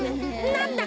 なんだ？